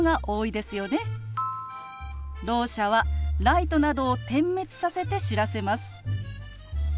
ろう者はライトなどを点滅させて知らせます。